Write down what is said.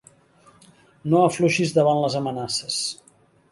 No afluixis davant les amenaces.